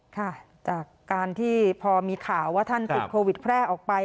ค่ะจากการที่พอมีข่าวว่าท่านติดโควิดแพร่ออกไป